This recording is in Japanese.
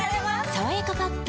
「さわやかパッド」